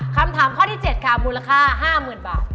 คำถามข้อที่๗ค่ะมูลค่า๕๐๐๐บาท